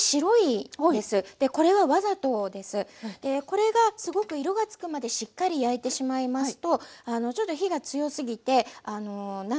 これがすごく色が付くまでしっかり焼いてしまいますとちょっと火が強すぎてあの何ていうんですかね